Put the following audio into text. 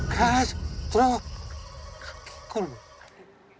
ketua film indonesia